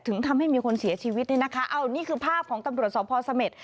ทำให้มีคนเสียชีวิตนี่นะคะเอานี่คือภาพของตำรวจสพเสม็ด